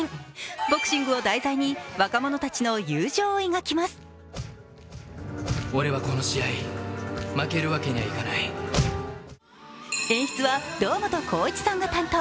ボクシングを題材に若者たちの友情を描きます演出は堂本光一さんが担当。